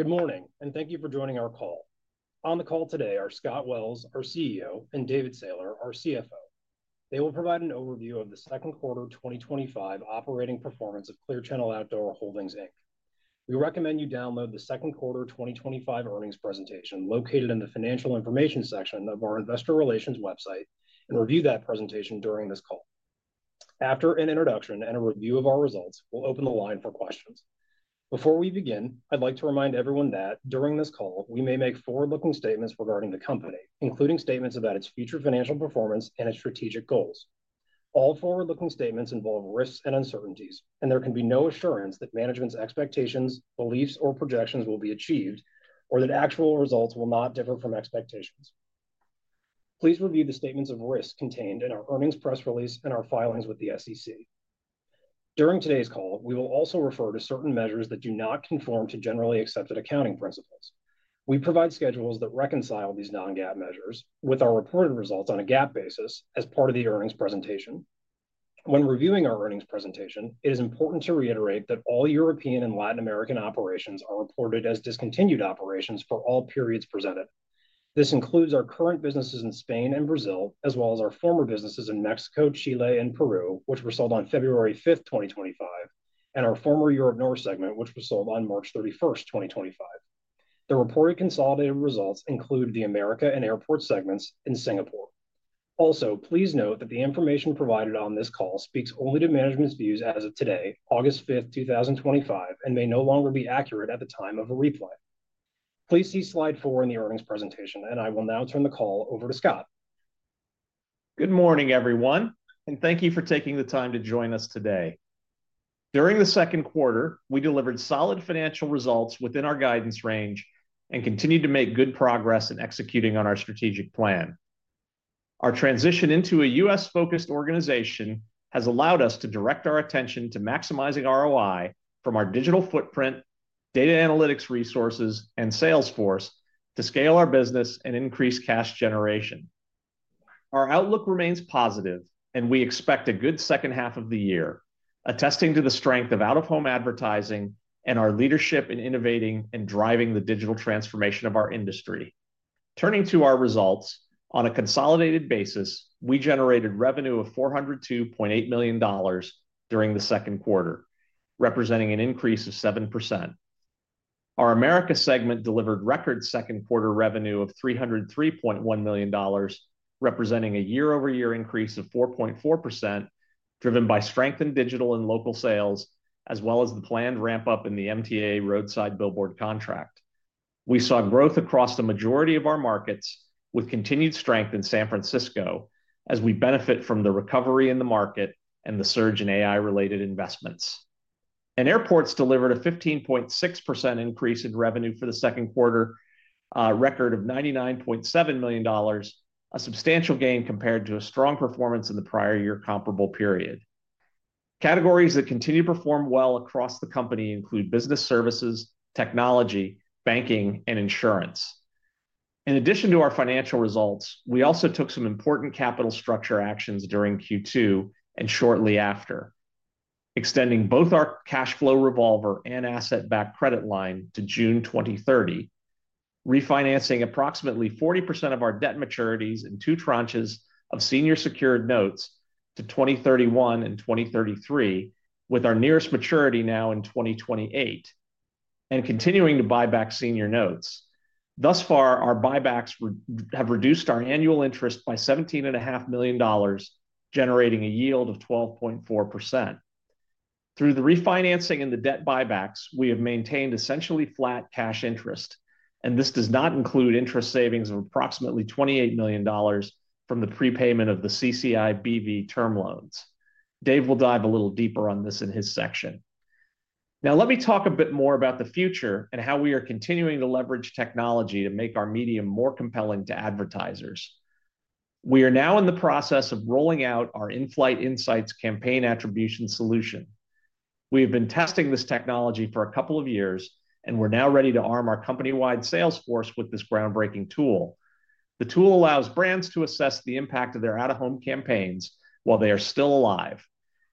Good morning and thank you for joining our call. On the call today are Scott Wells, our CEO, and David Sailer, our CFO. They will provide an overview of the second quarter 2025 operating performance of Clear Channel Outdoor Holdings, Inc. We recommend you download the second quarter 2025 earnings presentation located in the Financial Information section of our Investor Relations website and review that presentation during this call. After an introduction and a review of our results, we'll open the line for questions. Before we begin, I'd like to remind everyone that during this call we may make forward-looking statements regarding the company, including statements about its future financial performance and its strategic goals. All forward-looking statements involve risks and uncertainties, and there can be no assurance that management's expectations, beliefs, or projections will be achieved, or that actual results will not differ from expectations. Please review the statements of risk contained in our earnings press release and our filings with the SEC. During today's call, we will also refer to certain measures that do not conform to generally accepted accounting principles. We provide schedules that reconcile these non-GAAP measures with our reported results on a GAAP basis as part of the earnings presentation. When reviewing our earnings presentation, it is important to reiterate that all European and Latin American operations are reported as discontinued operations for all periods presented. This includes our current businesses in Spain and Brazil, as well as our former businesses in Mexico, Chile, and Peru, which were sold on February 5th, 2025, and our former Europe North segment, which was sold on March 31st, 2025. The reported consolidated results include the America and airport segments in Singapore. Also, please note that the information provided on this call speaks only to management's views as of today, August 5th, 2025, and may no longer be accurate at the time of a replay. Please see slide four in the earnings presentation, and I will now turn the call over to Scott. Good morning, everyone, and thank you for taking the time to join us today. During the second quarter, we delivered solid financial results within our guidance range and continued to make good progress in executing on our strategic plan. Our transition into a U.S.-focused organization has allowed us to direct our attention to maximizing ROI from our digital footprint, data analytics resources, and sales force to scale our business and increase cash generation. Our outlook remains positive, and we expect a good second half of the year, attesting to the strength of out-of-home advertising and our leadership in innovating and driving the digital transformation of our industry. Turning to our results, on a consolidated basis, we generated revenue of $402.8 million during the second quarter, representing an increase of 7%. Our America segment delivered record second quarter revenue of $303.1 million, representing a year-over-year increase of 4.4%, driven by strength in digital and local sales, as well as the planned ramp-up in the MTA roadside billboard contract. We saw growth across the majority of our markets, with continued strength in San Francisco, as we benefit from the recovery in the market and the surge in AI-related investments. Airports delivered a 15.6% increase in revenue for the second quarter, a record of $99.7 million, a substantial gain compared to a strong performance in the prior year comparable period. Categories that continue to perform well across the company include business services, technology, banking, and insurance. In addition to our financial results, we also took some important capital structure actions during Q2 and shortly after, extending both our cash flow revolver and asset-backed credit line to June 2030, refinancing approximately 40% of our debt maturities in two tranches of senior secured notes to 2031 and 2033, with our nearest maturity now in 2028, and continuing to buy back senior notes. Thus far, our buybacks have reduced our annual interest by $17.5 million, generating a yield of 12.4%. Through the refinancing and the debt buybacks, we have maintained essentially flat cash interest, and this does not include interest savings of approximately $28 million from the prepayment of the CCI BV term loans. Dave will dive a little deeper on this in his section. Now, let me talk a bit more about the future and how we are continuing to leverage technology to make our medium more compelling to advertisers. We are now in the process of rolling out our Inflight Insights campaign attribution solution. We have been testing this technology for a couple of years, and we're now ready to arm our company-wide sales force with this groundbreaking tool. The tool allows brands to assess the impact of their out-of-home campaigns while they are still live,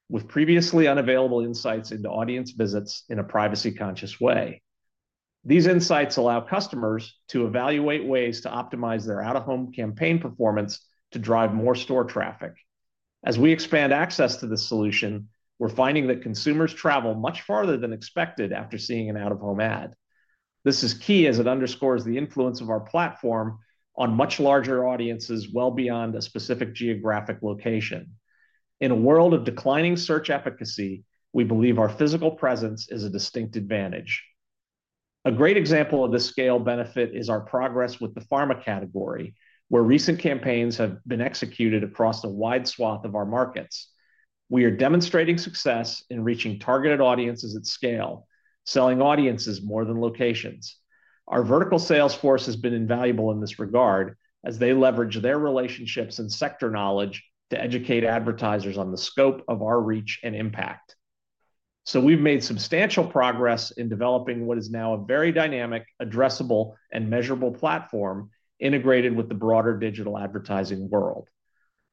with previously unavailable insights into audience visits in a privacy-conscious way. These insights allow customers to evaluate ways to optimize their out-of-home campaign performance to drive more store traffic. As we expand access to the solution, we're finding that consumers travel much farther than expected after seeing an out-of-home ad. This is key as it underscores the influence of our platform on much larger audiences well beyond a specific geographic location. In a world of declining search efficacy, we believe our physical presence is a distinct advantage. A great example of this scale benefit is our progress with the pharma category, where recent campaigns have been executed across a wide swath of our markets. We are demonstrating success in reaching targeted audiences at scale, selling audiences more than locations. Our vertical sales force has been invaluable in this regard, as they leverage their relationships and sector knowledge to educate advertisers on the scope of our reach and impact. We have made substantial progress in developing what is now a very dynamic, addressable, and measurable platform integrated with the broader digital advertising world.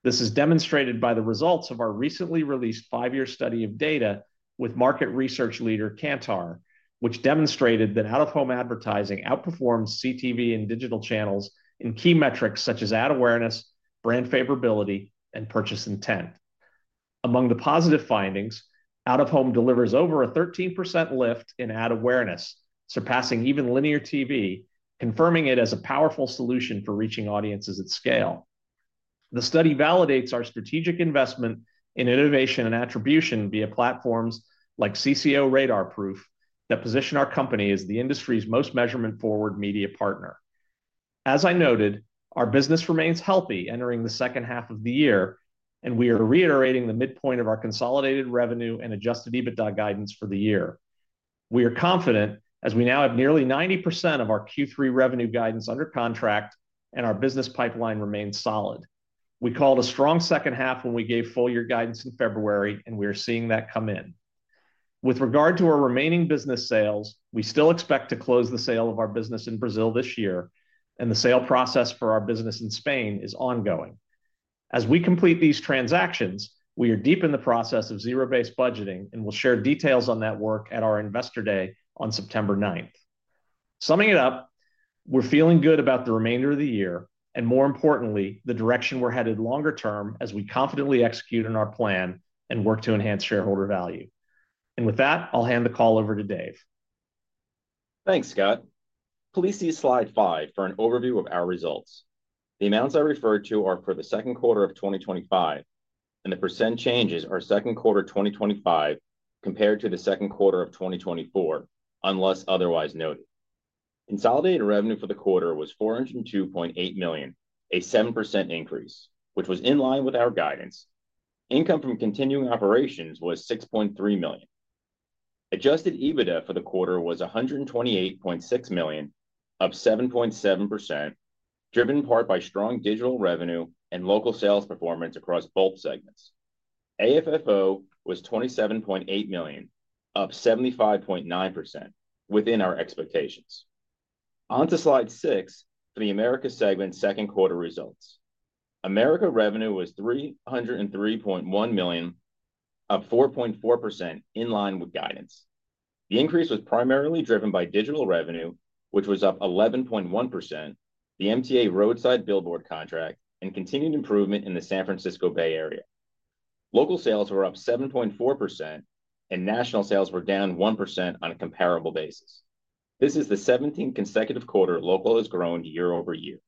This is demonstrated by the results of our recently released five-year study of data with market research leader Kantar, which demonstrated that out-of-home advertising outperforms CTV and digital channels in key metrics such as ad awareness, brand favorability, and purchase intent. Among the positive findings, out-of-home delivers over a 13% lift in ad awareness, surpassing even linear TV, confirming it as a powerful solution for reaching audiences at scale. The study validates our strategic investment in innovation and attribution via platforms like CCO Radar Proof that position our company as the industry's most measurement-forward media partner. As I noted, our business remains healthy entering the second half of the year, and we are reiterating the midpoint of our consolidated revenue and adjusted EBITDA guidance for the year. We are confident as we now have nearly 90% of our Q3 revenue guidance under contract, and our business pipeline remains solid. We called a strong second half when we gave full-year guidance in February, and we are seeing that come in. With regard to our remaining business sales, we still expect to close the sale of our business in Brazil this year, and the sale process for our business in Spain is ongoing. As we complete these transactions, we are deep in the process of zero-based budgeting and will share details on that work at our Investor Day on September 9. Summing it up, we're feeling good about the remainder of the year, and more importantly, the direction we're headed longer term as we confidently execute on our plan and work to enhance shareholder value. With that, I'll hand the call over to Dave. Thanks, Scott. Please see slide five for an overview of our results. The amounts I refer to are for the second quarter of 2025, and the percentage changes are second quarter 2025 compared to the second quarter of 2024, unless otherwise noted. Consolidated revenue for the quarter was $402.8 million, a 7% increase, which was in line with our guidance. Income from continuing operations was $6.3 million. Adjusted EBITDA for the quarter was $128.6 million, up 7.7%, driven in part by strong digital revenue and local sales performance across both segments. AFFO was $27.8 million, up 75.9%, within our expectations. On to slide six for the America segment second quarter results. America revenue was $303.1 million, up 4.4%, in line with guidance. The increase was primarily driven by digital revenue, which was up 11.1%, the MTA roadside billboard contract, and continued improvement in the San Francisco Bay Area. Local sales were up 7.4%, and national sales were down 1% on a comparable basis. This is the 17th consecutive quarter local has grown year-over-year.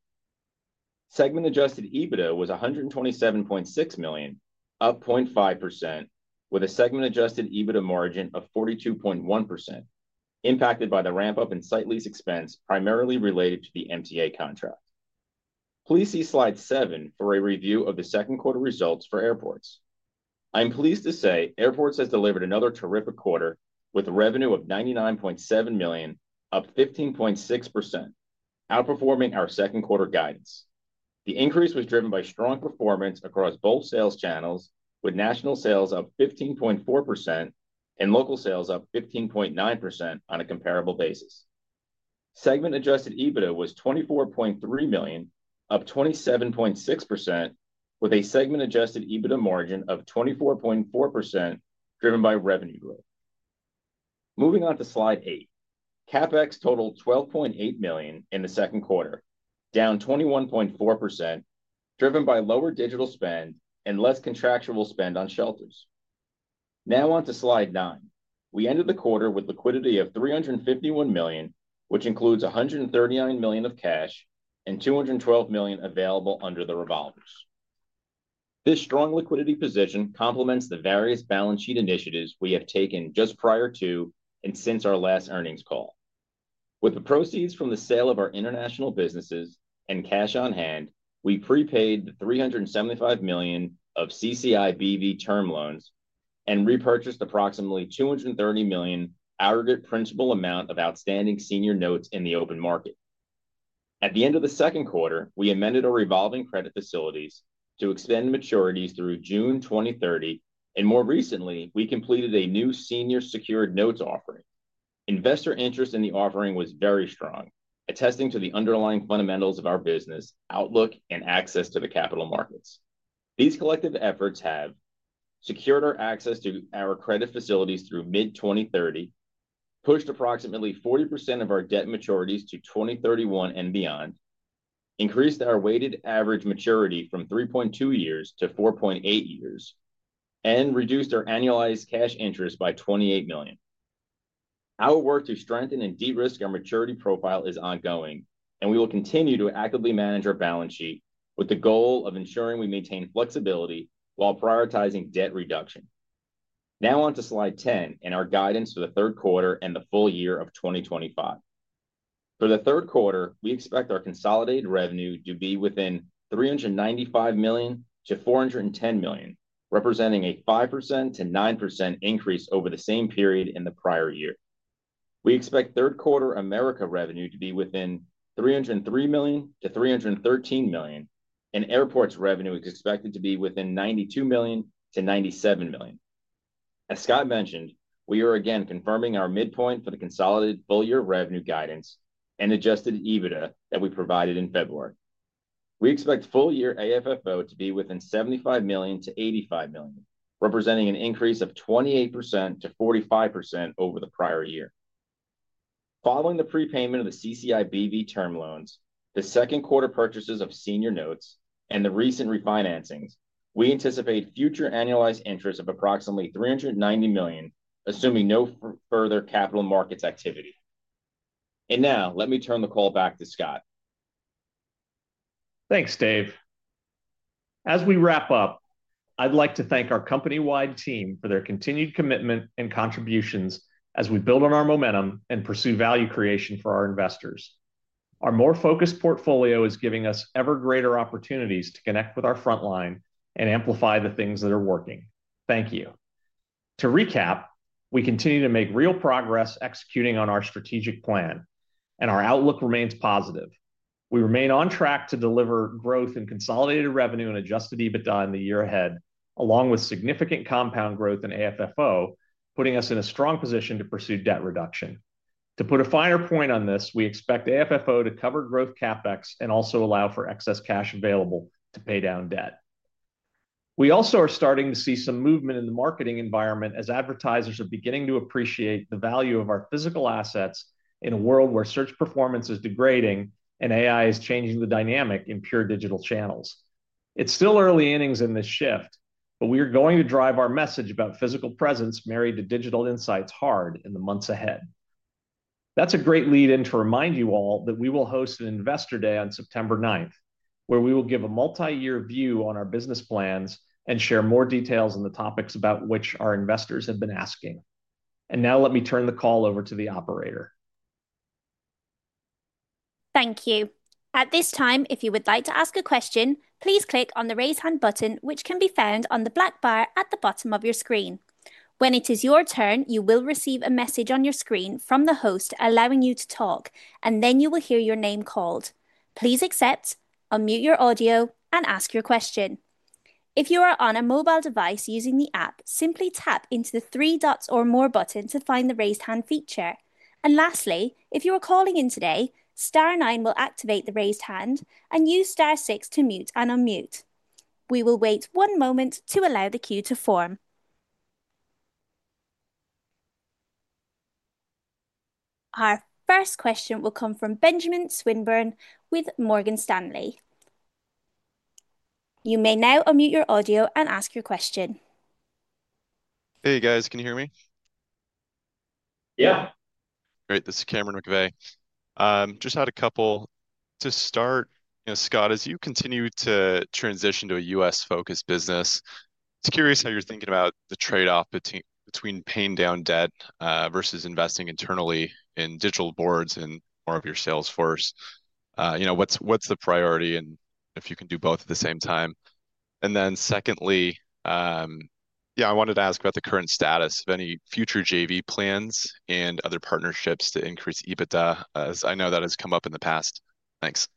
Segment adjusted EBITDA was $127.6 million, up 0.5%, with a segment adjusted EBITDA margin of 42.1%, impacted by the ramp-up in site lease expense primarily related to the MTA contract. Please see slide seven for a review of the second quarter results for airports. I'm pleased to say airports has delivered another terrific quarter with a revenue of $99.7 million, up 15.6%, outperforming our second quarter guidance. The increase was driven by strong performance across both sales channels, with national sales up 15.4% and local sales up 15.9% on a comparable basis. Segment adjusted EBITDA was $24.3 million, up 27.6%, with a segment adjusted EBITDA margin of 24.4%, driven by revenue growth. Moving on to slide eight, CapEx totaled $12.8 million in the second quarter, down 21.4%, driven by lower digital spend and less contractual spend on shelters. Now on to slide nine. We ended the quarter with liquidity of $351 million, which includes $139 million of cash and $212 million available under the revolvers. This strong liquidity position complements the various balance sheet initiatives we have taken just prior to and since our last earnings call. With the proceeds from the sale of our international businesses and cash on hand, we prepaid the $375 million of CCI BV term loans and repurchased approximately $230 million aggregate principal amount of outstanding senior notes in the open market. At the end of the second quarter, we amended our revolving credit facilities to extend maturities through June 2030, and more recently, we completed a new senior secured notes offering. Investor interest in the offering was very strong, attesting to the underlying fundamentals of our business outlook and access to the capital markets. These collective efforts have secured our access to our credit facilities through mid-2030, pushed approximately 40% of our debt maturities to 2031 and beyond, increased our weighted average maturity from 3.2 years to 4.8 years, and reduced our annualized cash interest by $28 million. Our work to strengthen and de-risk our maturity profile is ongoing, and we will continue to actively manage our balance sheet with the goal of ensuring we maintain flexibility while prioritizing debt reduction. Now on to slide 10 and our guidance for the third quarter and the full year of 2025. For the third quarter, we expect our consolidated revenue to be within $395 million-$410 million, representing a 5%-9% increase over the same period in the prior year. We expect third quarter America revenue to be within $303 million-$313 million, and airports revenue is expected to be within $92 million-$97 million. As Scott mentioned, we are again confirming our midpoint for the consolidated full-year revenue guidance and adjusted EBITDA that we provided in February. We expect full-year AFFO to be within $75 million-$85 million, representing an increase of 28% to 45% over the prior year. Following the prepayment of the CCI BV term loans, the second quarter purchases of senior notes, and the recent refinancings, we anticipate future annualized interest of approximately $390 million, assuming no further capital markets activity. Now, let me turn the call back to Scott. Thanks, Dave. As we wrap up, I'd like to thank our company-wide team for their continued commitment and contributions as we build on our momentum and pursue value creation for our investors. Our more focused portfolio is giving us ever greater opportunities to connect with our front line and amplify the things that are working. Thank you. To recap, we continue to make real progress executing on our strategic plan, and our outlook remains positive. We remain on track to deliver growth in consolidated revenue and adjusted EBITDA in the year ahead, along with significant compound growth in AFFO, putting us in a strong position to pursue debt reduction. To put a finer point on this, we expect AFFO to cover growth CapEx and also allow for excess cash available to pay down debt. We also are starting to see some movement in the marketing environment as advertisers are beginning to appreciate the value of our physical assets in a world where search performance is degrading and AI is changing the dynamic in pure digital channels. It's still early innings in this shift, but we are going to drive our message about physical presence married to digital insights hard in the months ahead. That is a great lead-in to remind you all that we will host an Investor Day on September 9th, where we will give a multi-year view on our business plans and share more details on the topics about which our investors have been asking. Now, let me turn the call over to the operator. Thank you. At this time, if you would like to ask a question, please click on the raise hand button, which can be found on the black bar at the bottom of your screen. When it is your turn, you will receive a message on your screen from the host allowing you to talk, and then you will hear your name called. Please accept, unmute your audio, and ask your question. If you are on a mobile device using the app, simply tap into the three dots or more button to find the raise hand feature. Lastly, if you are calling in today, star nine will activate the raised hand and use star six to mute and unmute. We will wait one moment to allow the queue to form. Our first question will come from Benjamin Swinburne with Morgan Stanley. You may now unmute your audio and ask your question. Hey, guys, can you hear me? Yeah. All right, this is Cameron McVeigh. Just had a couple to start. Scott, as you continue to transition to a U.S.-focused business, I'm curious how you're thinking about the trade-off between paying down debt versus investing internally in digital boards and more of your sales force. What's the priority? If you can do both at the same time. Secondly, I wanted to ask about the current status of any future JV plans and other partnerships to increase EBITDA, as I know that has come up in the past. Thanks.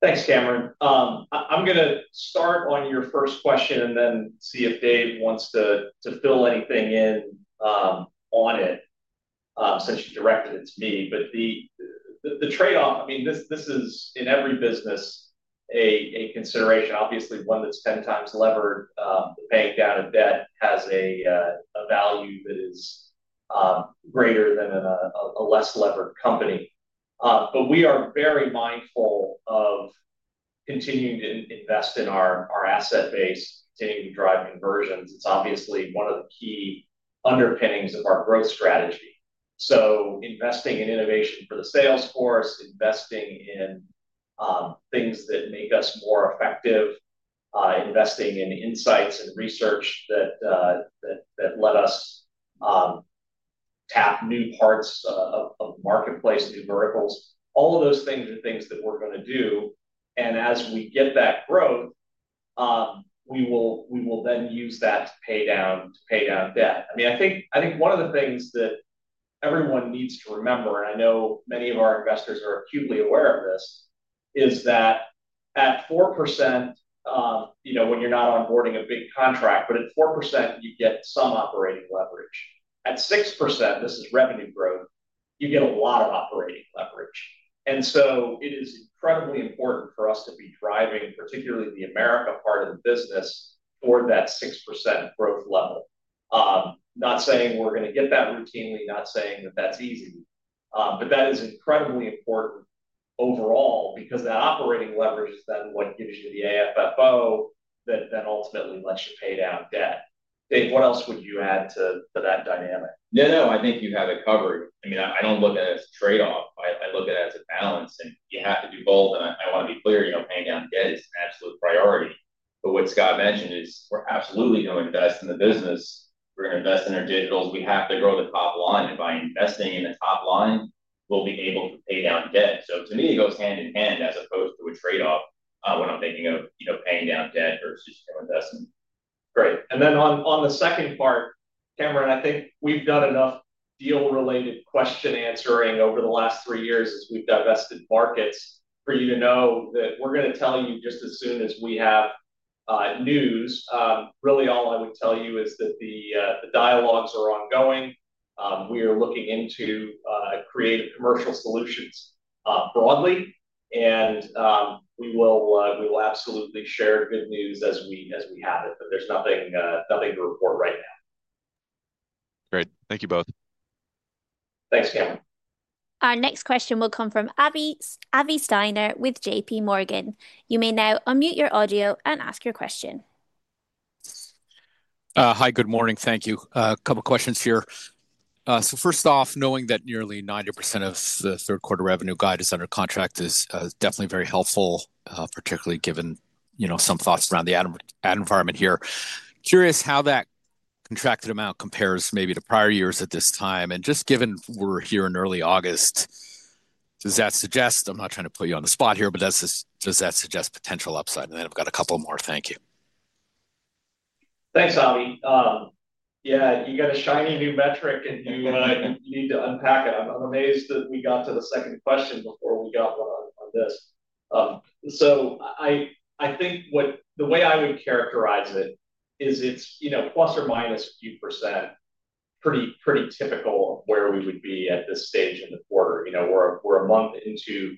Thanks, Cameron. I'm going to start on your first question and then see if Dave wants to fill anything in on it, since you directed it to me. The trade-off, I mean, this is in every business a consideration. Obviously, one that's 10 times levered, the paying out of debt has a value that is greater than in a less levered company. We are very mindful of continuing to invest in our asset base, continuing to drive conversions. It's obviously one of the key underpinnings of our growth strategy. Investing in innovation for the sales force, investing in things that make us more effective, investing in insights and research that let us tap new parts of the marketplace and do miracles. All of those things are things that we're going to do. As we get that growth, we will then use that to pay down debt. I think one of the things that everyone needs to remember, and I know many of our investors are acutely aware of this, is that at 4%, you know, when you're not onboarding a big contract, but at 4%, you get some operating leverage. At 6%—this is revenue growth—you get a lot of operating leverage. It is incredibly important for us to be driving, particularly the America part of the business, toward that 6% growth level. Not saying we're going to get that routinely, not saying that that's easy, but that is incredibly important overall because that operating leverage is then what gives you the AFFO that then ultimately lets you pay down debt. Dave, what else would you add to that dynamic? I think you have it covered. I mean, I don't look at it as a trade-off. I look at it as a balance. You have to do both, and I want to be clear, you know, paying down debt is an absolute priority. What Scott mentioned is we're absolutely going to invest in the business. We're going to invest in our digitals. We have to grow the top line, and by investing in the top line, we'll be able to pay down debt. To me, it goes hand in hand as opposed to a trade-off when I'm thinking of paying down debt versus investing. Great. On the second part, Cameron, I think we've done enough deal-related question answering over the last three years as we've divested markets for you to know that we're going to tell you just as soon as we have news. Really, all I would tell you is that the dialogues are ongoing. We are looking into creative commercial solutions broadly, and we will absolutely share good news as we have it, but there's nothing to report right now. Great. Thank you both. Our next question will come from Avi Steiner with JP Morgan. You may now unmute your audio and ask your question. Hi, good morning. Thank you. A couple of questions here. First off, knowing that nearly 90% of the third quarter revenue guidance under contract is definitely very helpful, particularly given some thoughts around the ad environment here. Curious how that contracted amount compares maybe to prior years at this time. Given we're here in early August, does that suggest, I'm not trying to put you on the spot here, but does that suggest potential upside? I've got a couple more. Thank you. Thanks, Avi. Yeah, you got a shiny new metric, and you need to unpack it. I'm amazed that we got to the second question before we got one on this. I think the way I would characterize it is it's, you know, plus or minus a few percent, pretty typical of where we would be at this stage in the quarter. We're a month into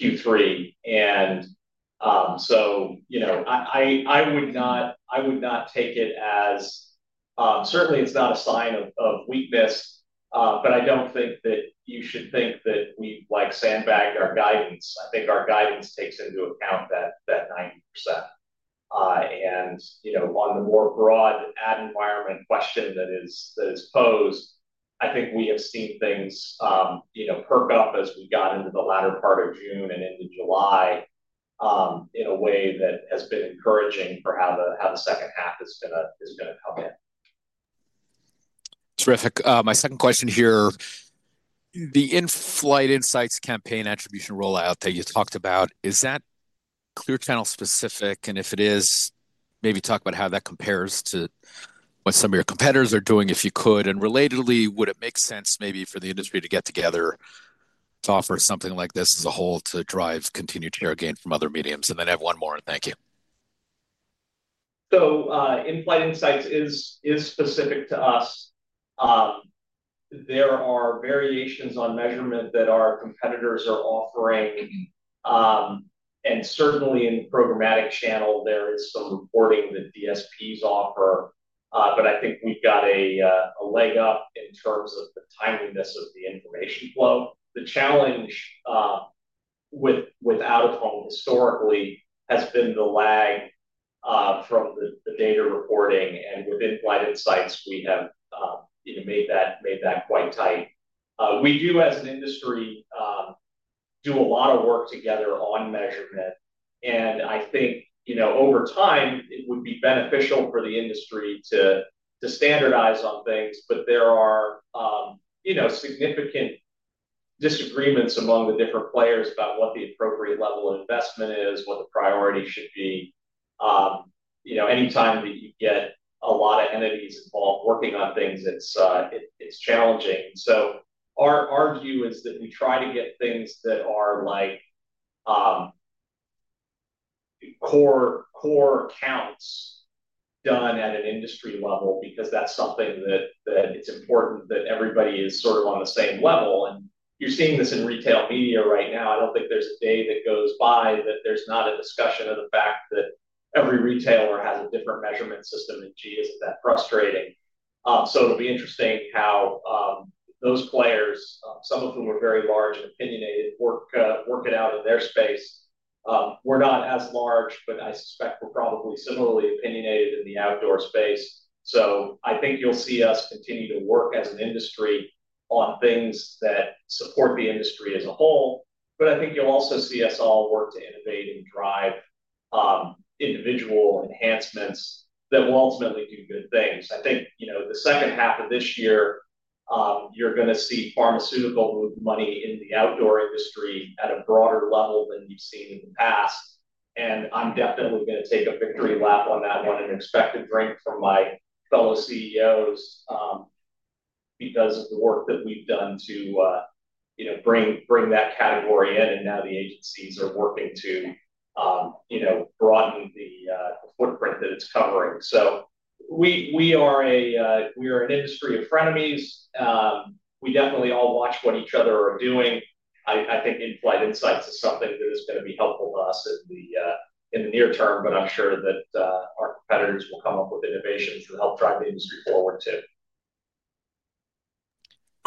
Q3, and I would not take it as certainly it's not a sign of weakness, but I don't think that you should think that we've sandbagged our guidance. I think our guidance takes into account that 90%. On the more broad ad environment question that is posed, I think we have seen things perk up as we got into the latter part of June and into July in a way that has been encouraging for how the second half is going to come in. Terrific. My second question here, the Inflight Insights campaign attribution rollout that you talked about, is that Clear Channel specific? If it is, maybe talk about how that compares to what some of your competitors are doing if you could. Relatedly, would it make sense maybe for the industry to get together to offer something like this as a whole to drive continued share gain from other mediums? I have one more, and thank you. Inflight Insights is specific to us. There are variations on measurement that our competitors are offering. Certainly in the programmatic channel, there is some reporting that DSPs offer. I think we've got a leg up in terms of the timeliness of the information. The challenge with out-of-home historically has been the lag from the data reporting. With Inflight Insights, we have made that quite tight. We do, as an industry, do a lot of work together on measurement. I think, over time, it would be beneficial for the industry to standardize on things. There are significant disagreements among the different players about what the appropriate level of investment is, what the priority should be. Anytime that you get a lot of entities involved working on things, it's challenging. Our view is that we try to get things that are like core accounts done at an industry level because that's something that it's important that everybody is sort of on the same level. You're seeing this in retail media right now. I don't think there's a day that goes by that there's not a discussion of the fact that every retailer has a different measurement system than G. Isn't that frustrating? It'll be interesting how those players, some of whom are very large and opinionated, work it out in their space. We're not as large, but I suspect we're probably similarly opinionated in the outdoor space. I think you'll see us continue to work as an industry on things that support the industry as a whole. I think you'll also see us all work to innovate and drive individual enhancements that will ultimately do good things. I think the second half of this year, you're going to see pharmaceutical money in the outdoor industry at a broader level than you've seen in the past. I'm definitely going to take a victory lap on that one and expect a drink from my fellow CEOs. He does the work that we've done to bring that category in. Now the agencies are working to broaden the footprint that it's covering. We are an industry of frenemies. We definitely all watch what each other are doing. I think Inflight Insights is something that is going to be helpful to us in the near term, but I'm sure that our competitors will.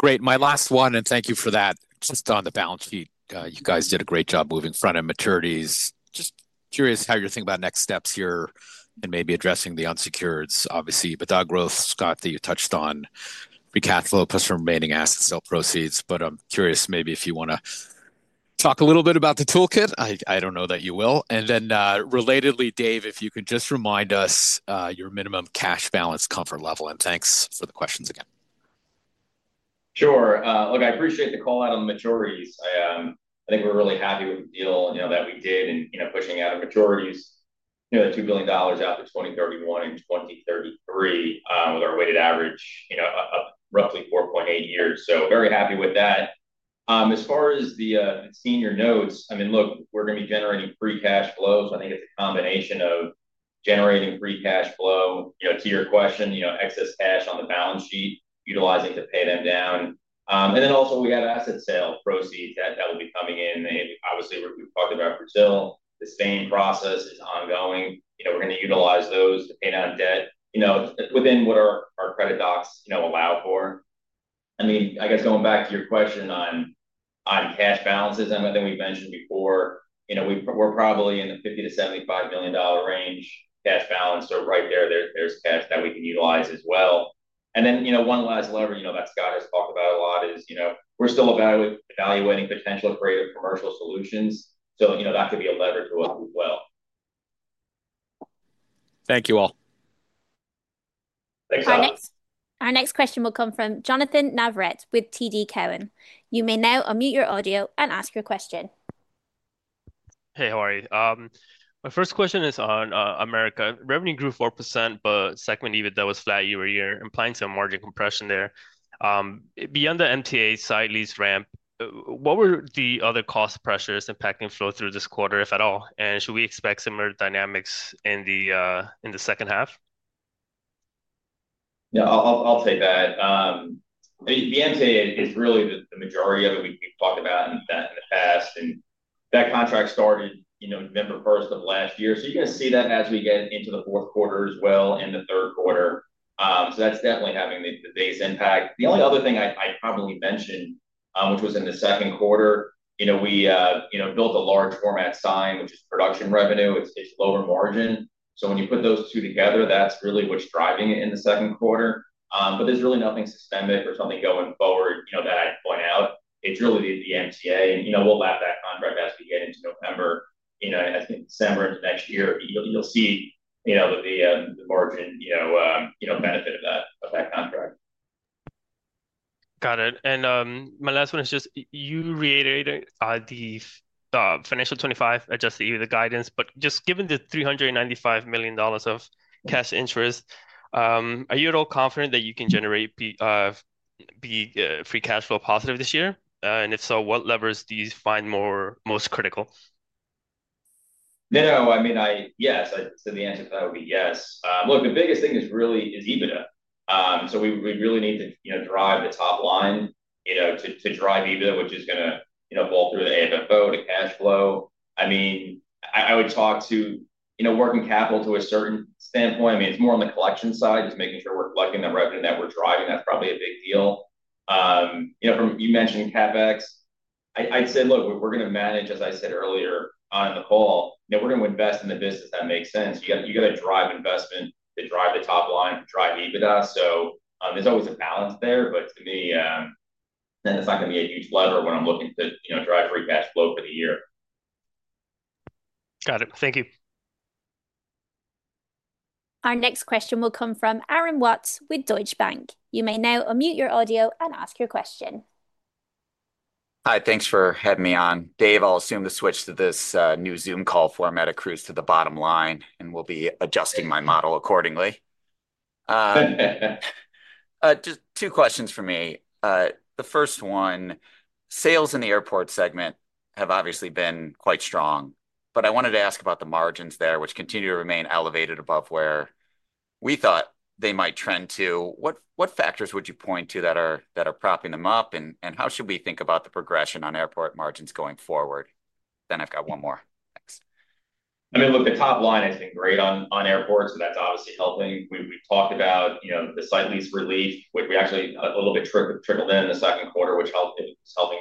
Great. My last one, and thank you for that. Just on the balance sheet, you guys did a great job moving front-end maturities. Just curious how you're thinking about next steps here and maybe addressing the unsecured, obviously, the dog growth, Scott, that you touched on, recap flow plus your remaining asset sale proceeds. I'm curious maybe if you want to talk a little bit about the toolkit. I don't know that you will. Relatedly, Dave, if you could just remind us your minimum cash balance comfort level. Thanks for the questions again. Sure. Look, I appreciate the call out on maturities. I think we're really happy with the deal that we did and pushing out of maturities, the $2 billion out to 2031 and 2033 with our weighted average of roughly 4.8 years. Very happy with that. As far as the senior notes, we're going to be generating free cash flows. I think it's a combination of generating free cash flow, to your question, excess cash on the balance sheet, utilizing to pay them down. We have asset sale proceeds that will be coming in. Obviously, we've talked about Brazil. The same process is ongoing. We're going to utilize those to pay down debt within what our credit docs allow for. Going back to your question on cash balances, I think we've mentioned before, we're probably in the $50 million-$75 million range cash balance. Right there, there's cash that we can utilize as well. One last lever that Scott has talked about a lot is we're still evaluating potential creative commercial solutions. That could be a lever to us as well. Thank you all. Our next question will come from Jonnathan Navarrete with TD Cowen. You may now unmute your audio and ask your question. Hey, how are you? My first question is on America. Revenue grew 4%, but segment EBITDA was flat year-over-year, implying some margin compression there. Beyond the MTA side lease ramp, what were the other cost pressures impacting flow through this quarter, if at all? Should we expect similar dynamics in the second half? Yeah, I'll take that. I mean, the MTA, it's really the majority of it. We've talked about that in the past. That contract started November 1st of last year. You're going to see that as we get into the fourth quarter as well and the third quarter. That's definitely having the biggest impact. The only other thing I probably mention, which was in the second quarter, we built a large format sign, which is production revenue. It's lower margin. When you put those two together, that's really what's driving it in the second quarter. There's really nothing systemic or something going forward that I'd point out. It's really the MTA. We'll lap that contract as we get into November. As we get into the next year, you'll see the margin benefit of that contract. Got it. My last one is just you reiterated the financial 2025 adjusted EBITDA guidance. Given the $395 million of cash interest, are you at all confident that you can generate free cash flow positive this year? If so, what levers do you find most critical? Yes, so the answer to that would be yes. Look, the biggest thing is really EBITDA. We really need to drive a top line to drive EBITDA, which is going to fall through the AFFO, the cash flow. I would talk to working capital to a certain standpoint. It's more on the collection side, just making sure we're collecting the revenue that we're driving. That's probably a big deal. You mentioned CapEx. I'd say, look, we're going to manage, as I said earlier on the call, we're going to invest in the business that makes sense. You have to drive investment to drive the top line, drive EBITDA. There's always a balance there, but to me, then it's not going to be a huge lever when I'm looking to drive free cash flow for the year. Got it. Thank you. Our next question will come from Aaron Watts with Deutsche Bank. You may now unmute your audio and ask your question. Hi, thanks for having me on. Dave, I'll assume the switch to this new Zoom call format accrues to the bottom line, and I'll be adjusting my model accordingly. Two questions for me. The first one, sales in the airport segment have obviously been quite strong, but I wanted to ask about the margins there, which continue to remain elevated above where we thought they might trend to. What factors would you point to that are propping them up, and how should we think about the progression on airport margins going forward? I've got one more. Thanks. I mean, look, the top line has been great on airports, and that's obviously helping. We've talked about the site lease relief, which actually a little bit trickled in the second quarter, which helped in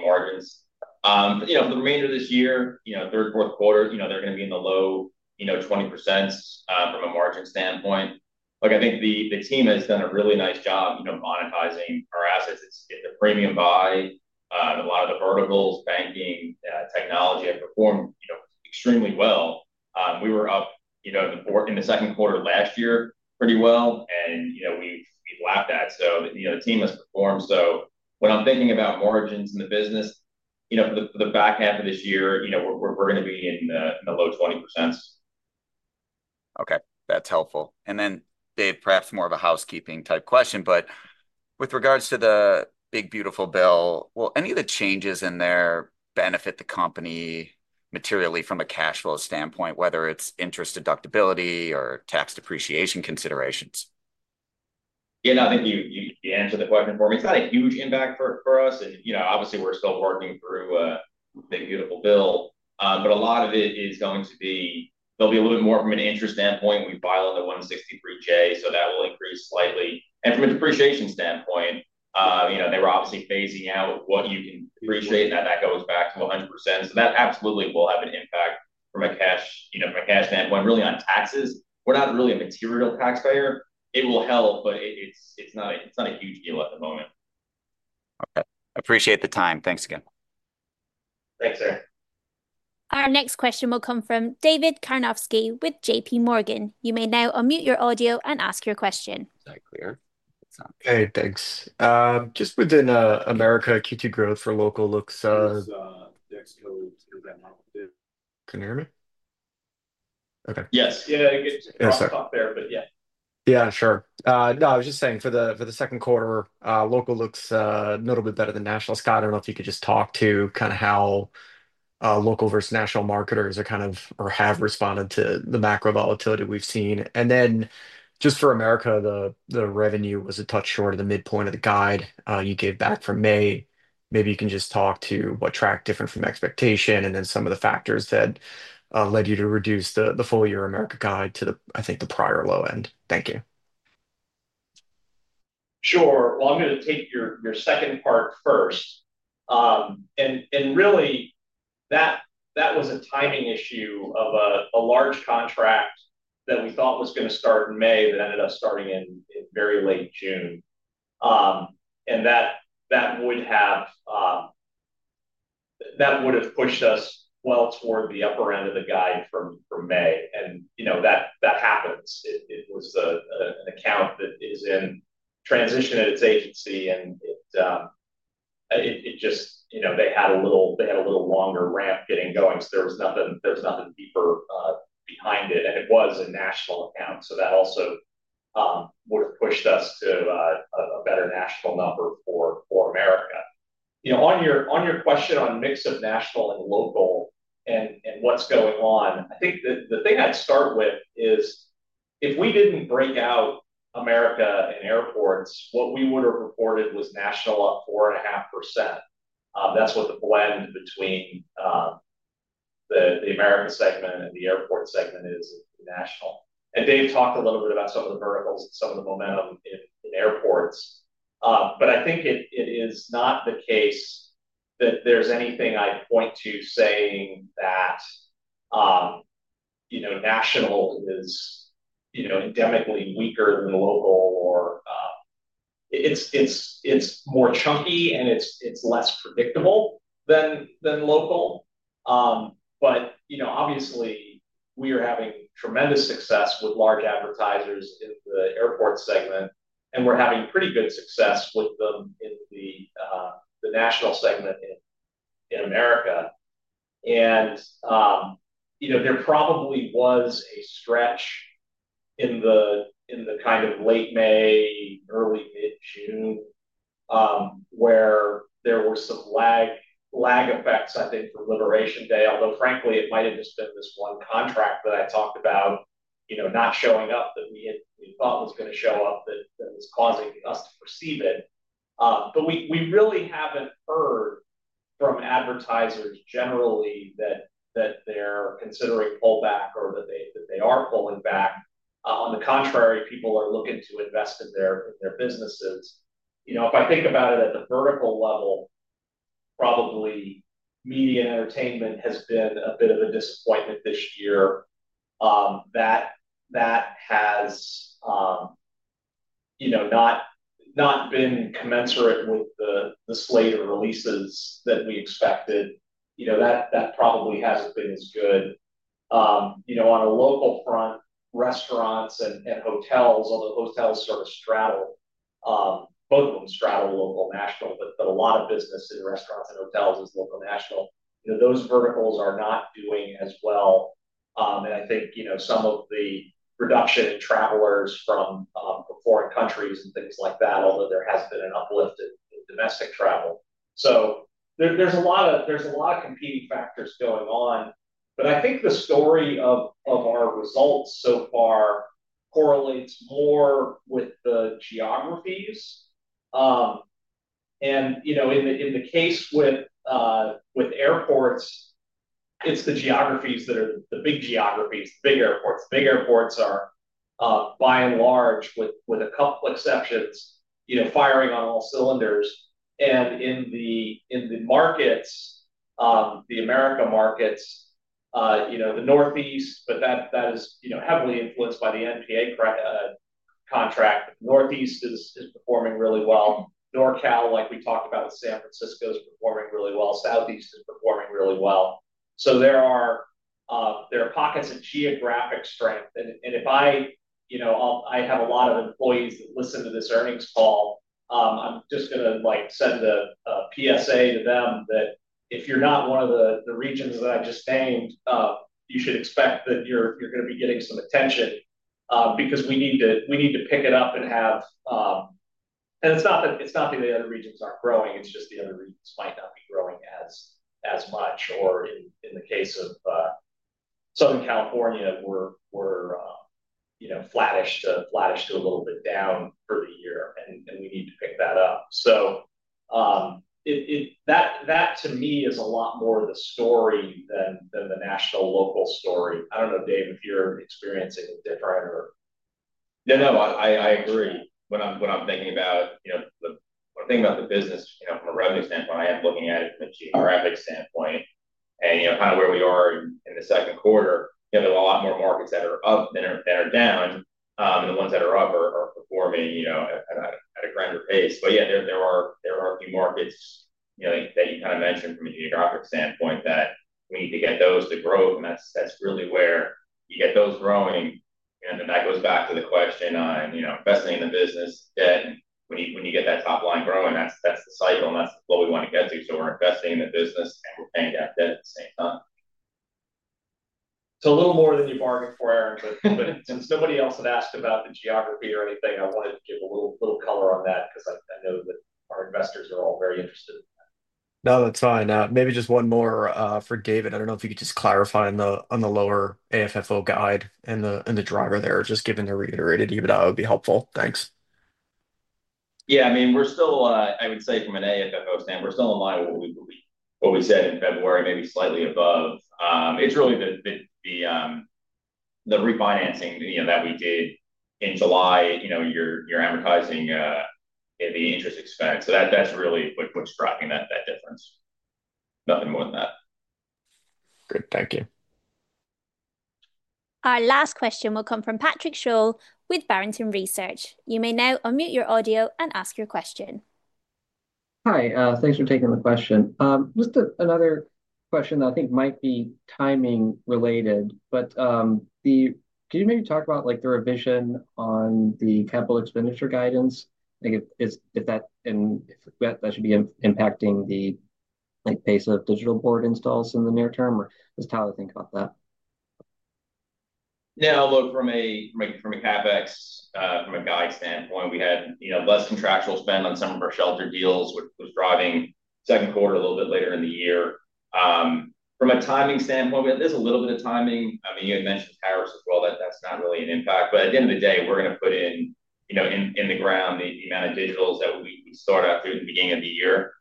margins. The remainder of this year, third, fourth quarter, they're going to be in the low 20% from a margin standpoint. I think the team has done a really nice job monetizing our assets. It's the premium buy, a lot of the verticals, banking, technology have performed extremely well. We were up in the second quarter last year pretty well, and we lapped that. The team has performed. When I'm thinking about margins in the business for the back half of this year, we're going to be in the low 20%. Okay, that's helpful. Dave, perhaps more of a housekeeping type question, but with regards to the big beautiful bill, will any of the changes in there benefit the company materially from a cash flow standpoint, whether it's interest deductibility or tax depreciation considerations? Yeah, no, I think you answered the question for me. It's not a huge impact for us, and you know, obviously, we're still working through the beautiful bill. A lot of it is going to be, there'll be a little bit more from an interest standpoint when we file on the [163(j)], so that will increase slightly. From a depreciation standpoint, you know, they were obviously phasing out what you can depreciate, and that goes back to 100%. That absolutely will have an impact from a cash standpoint, really on taxes. We're not really a material taxpayer. It will help, but it's not a huge deal at the moment. Okay, I appreciate the time. Thanks again. Our next question will come from David Karnovsky with JP Morgan. You may now unmute your audio and ask your question. Is that clear? Hey, thanks. Just within the U.S., Q2 growth for local looks. Can you hear me okay? Yes, I think it's a stop there, but yeah. Yeah, sure. I was just saying for the second quarter, local looks notably better than national. Scott, I don't know if you could just talk to kind of how local versus national marketers are kind of, or have responded to the macro volatility we've seen. Just for America, the revenue was a touch short of the midpoint of the guide you gave back from May. Maybe you can just talk to what tracked different from expectation and then some of the factors that led you to reduce the full-year America guide to the, I think, the prior low end. Thank you. Sure. I'm going to take your second part first. That was a timing issue of a large contract that we thought was going to start in May that ended up starting in very late June. That would have pushed us well toward the upper end of the guide for May. You know that happens. It was an account that is in transition at its agency, and it just, you know, they had a little longer ramp getting going. There was nothing deeper behind it. It was a national account. That also would have pushed us to a better national number for America. On your question on a mix of national and local and what's going on, I think the thing I'd start with is if we didn't break out America and airports, what we would have reported was national up 4.5%. That's what the bled in between the America segment and the airport segment is national. Dave talked a little bit about some of the burnout and some of the momentum in airports. I think it is not the case that there's anything I point to saying that national is endemically weaker than local or it's more chunky and it's less predictable than local. Obviously, we are having tremendous success with large advertisers in the airport segment, and we're having a pretty good success with them in the national segment in America. There probably was a stretch in the kind of late May, early June, where there were some lag effects, I think, for Liberation Day, although frankly, it might have just been this one contract that I talked about not showing up that we thought was going to show up that was causing us to perceive it. We really haven't heard from advertisers generally that they're considering fallback or that they are falling back. On the contrary, people are looking to invest in their businesses. If I think about it at the vertical level, probably media and entertainment has been a bit of a disappointment this year. That has not been commensurate with the slate of releases that we expected. That probably hasn't been as good. On a local front, restaurants and hotels, although hotels sort of straddle, both of them straddle local national, but a lot of business in restaurants and hotels is local national. Those verticals are not doing as well. I think some of the reduction in travelers from foreign countries and things like that, although there has been an uplift in domestic travel. There are a lot of competing factors going on. I think the story of our results so far correlates more with the geographies. In the case with airports, it's the geographies that are the big geographies, the big airports. The big airports are, by and large, with a couple of exceptions, firing on all cylinders. In the markets, the America markets, the Northeast, that is heavily influenced by the MTA contract. The Northeast is performing really well. NorCal, like we talked about with San Francisco, is performing really well. Southeast is performing really well. There are pockets of geographic strength. If I had a lot of employees that listened to this earnings call, I'm just going to send a PSA to them that if you're not one of the regions that I just named, you should expect that you're going to be getting some attention because we need to pick it up. It's not that the other regions aren't growing. It's just the other regions might not be growing as much. In the case of Southern California, we're flattish to a little bit down for the year, and we need to pick that up. That, to me, is a lot more of the story than the national local story. I don't know, Dave, if your experience is different or. I agree. When I'm thinking about the business from a revenue standpoint, I am looking at it from a geographic standpoint. You know, kind of where we are in the second quarter, there are a lot more markets that are up than are down. The ones that are up are performing at a greater pace. There are a few markets that you kind of mentioned from a geographic standpoint that we need to get to grow. That's really where you get those growing, and that goes back to the question on investing in the business debt. When you get that top line growing, that's the cycle, and that's what we want to get to. We're investing in the business and paying down debt at the same time. It's a little more than you bargained for, Aaron. If somebody else had asked about the geography or anything, I wanted to give a little color on that because I know that our investors are all very interested in that. No, that's fine. Maybe just one more for David. I don't know if you could just clarify on the lower AFFO guide and the driver there. Just given they're reiterated, even that would be helpful. Thanks. Yeah, I mean, we're still, I would say from an AFFO standpoint, we're still in line with what we said in February, maybe slightly above. It's really the refinancing, you know, that we did in July, you know, you're amortizing the interest expense. That's really what's driving that difference. Nothing more than that. Great. Thank you. Our last question will come from Patrick Sholl with Barrington Research. You may now unmute your audio and ask your question. Hi, thanks for taking the question. Just another question that I think might be timing related. Do you maybe talk about the revision on the capital expenditure guidance? I think if that, and if that should be impacting the base of digital board installs in the near term, or just how to think about that. Yeah, I'll look from a CapEx, from a guide standpoint. We had less contractual spend on some of our shelter deals, which was driving the second quarter a little bit later in the year. From a timing standpoint, there's a little bit of timing. You had mentioned the towers as well. That's not really an impact. At the end of the day, we're going to put in the ground the amount of digitals that we start off through the beginning of the year.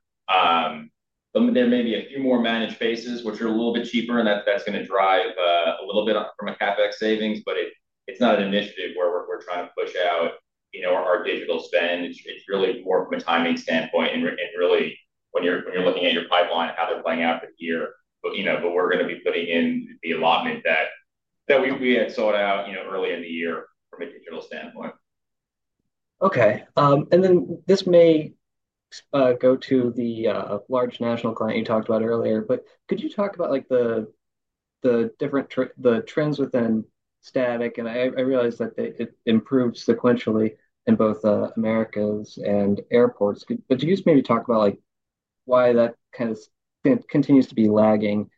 There may be a few more managed spaces, which are a little bit cheaper, and that's going to drive a little bit from a CapEx savings. It's not an initiative where we're trying to push out our digital spend. It's really more from a timing standpoint. Really, when you're looking at your pipeline and how they're playing out this year, we're going to be putting in the allotment that we had sought out early in the year from a digital standpoint. Okay. This may go to the large national client you talked about earlier, but could you talk about the different trends within static? I realize that it improved sequentially in both Americas and airports. Could you talk about why that kind of continues to be lagging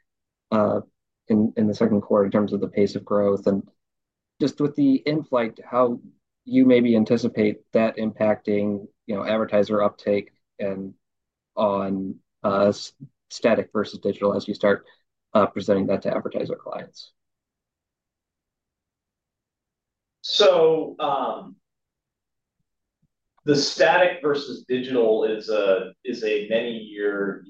in the second quarter in terms of the pace of growth? With the Inflight, how you maybe anticipate that impacting advertiser uptake and on static versus digital as you start presenting that to advertiser clients? The static versus digital is a many-year process.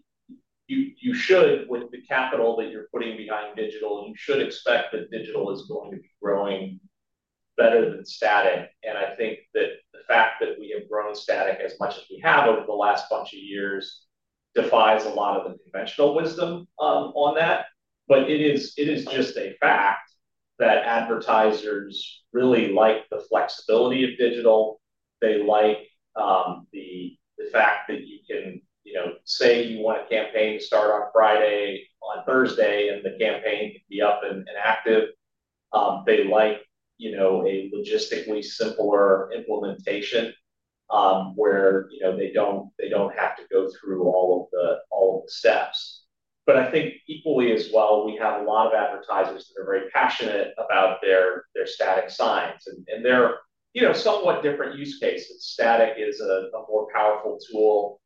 You should, with the capital that you're putting behind digital, expect that digital is going to be growing better than static. I think that the fact that we have grown static as much as we have over the last bunch of years defies a lot of the conventional wisdom on that. It is just a fact that advertisers really like the flexibility of digital. They like the fact that you can, you know, say you want a campaign to start on Friday, on Thursday, and the campaign can be up and active. They like a logistically simpler implementation where they don't have to go through all of the steps. I think equally as well, we have a lot of advertisers that are very passionate about their static signs. They're somewhat different use cases. Static is a more powerful tool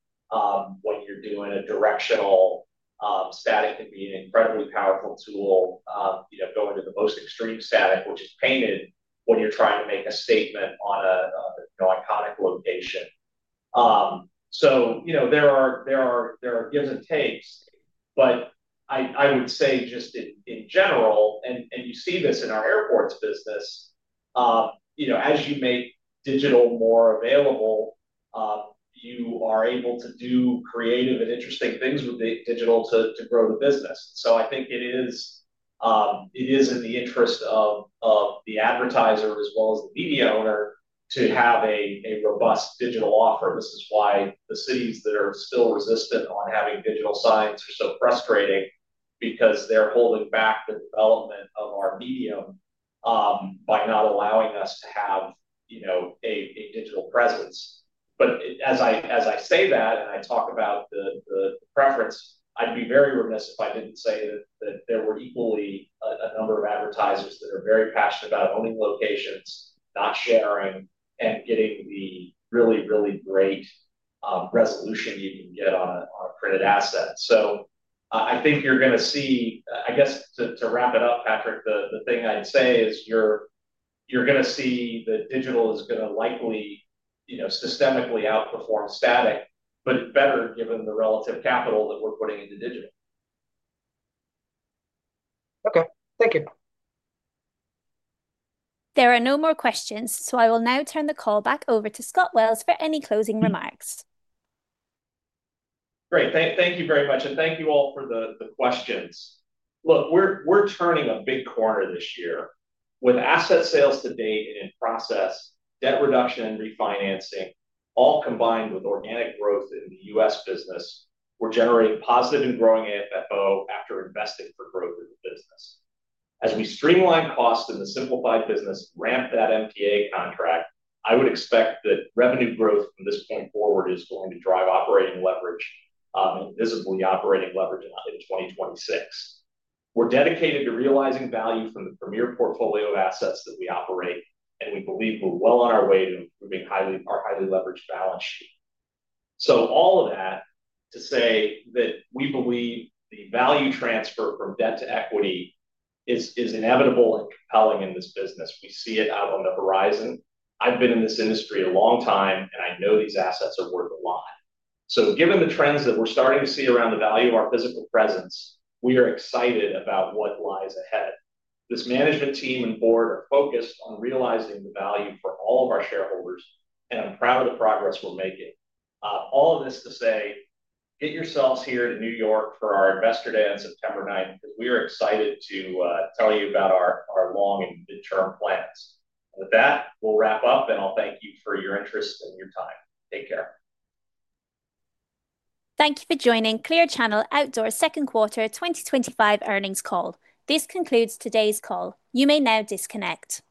when you're doing a directional. Static could be an incredibly powerful tool, going to the most extreme static, which is painted, when you're trying to make a statement on an iconic location. There are gives and takes, but I would say just in general, and you see this in our airports business, as you make digital more available, you are able to do creative and interesting things with digital to grow the business. I think it is in the interest of the advertiser as well as the media owner to have a robust digital offer. This is why the cities that are still resistant on having digital signs are so frustrating because they're holding back the development of our medium by not allowing us to have a digital presence. As I say that, and I talk about the preference, I'd be very remiss if I didn't say that there were equally a number of advertisers that are very passionate about owning locations, not sharing, and getting the really, really great resolution you can get on a printed asset. I think you're going to see, I guess to wrap it up, Patrick, the thing I'd say is you're going to see that digital is going to likely, you know, systemically outperform static, but it's better given the relative capital that we're putting into digital. Okay, thank you. There are no more questions, so I will now turn the call back over to Scott Wells for any closing remarks. Great. Thank you very much. Thank you all for the questions. Look, we're turning a big corner this year. With asset sales to date and in process, debt reduction and refinancing, all combined with organic growth in the U.S. business, we're generating positive and growing AFFO after investing for growth in the business. As we streamline costs in the simplified business and ramp that MTA contract, I would expect that revenue growth from this point forward is going to drive operating leverage, visibly operating leverage in 2026. We're dedicated to realizing value from the premier portfolio assets that we operate, and we believe we're well on our way to improving our highly leveraged balance sheet. All of that is to say that we believe the value transfer from debt to equity is inevitable and compelling in this business. We see it out on the horizon. I've been in this industry a long time, and I know these assets are worth a lot. Given the trends that we're starting to see around the value of our physical presence, we are excited about what lies ahead. This management team and board are focused on realizing the value for all of our shareholders, and I'm proud of the progress we'll make. All of this to say, get yourselves here to New York for our investor day on September 9th, because we are excited to tell you about our long and mid-term plans. With that, we'll wrap up, and I'll thank you for your interest and your time. Take care. Thank you for joining Clear Channel Outdoor Second Quarter 2025 earnings call. This concludes today's call. You may now disconnect.